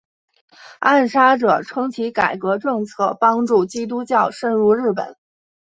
暗杀者称其改革政策帮助基督教渗入日本。